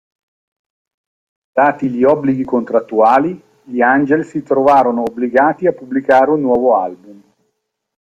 Dati gli obblighi contrattuali, gli Angel si trovarono obbligati a pubblicare un nuovo album.